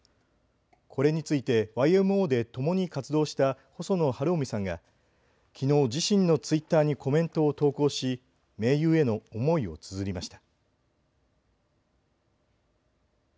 これについてＹＭＯでともに活動した細野晴臣さんがきのう自身のツイッターにコメントを投稿し盟友への思いをつづりました。